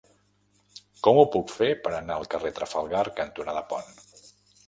Com ho puc fer per anar al carrer Trafalgar cantonada Pont?